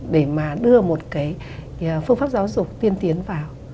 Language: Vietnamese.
để mà đưa một cái phương pháp giáo dục tiên tiến vào